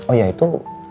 oh ya itu